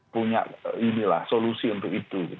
punya solusi untuk itu